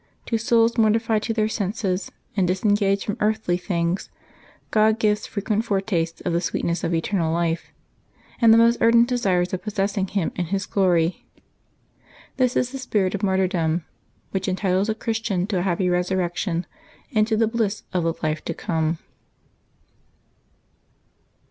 To souls mortified to their senses and disengaged from earthly things, God gives frequent foretastes of the sweetness of eternal life, and the most ardent desires of possessing Him in His Febbuaey 16] LIVES OF THE SAINTS 75 glory. This is the spirit of martyrdom, which entitles a Christian to a happy resurrection and to the bliss of the life to come.